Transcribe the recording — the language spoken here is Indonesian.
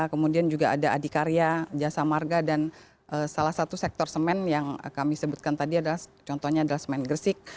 kemudian juga ada adikarya jasa marga dan salah satu sektor semen yang kami sebutkan tadi adalah contohnya adalah semen gresik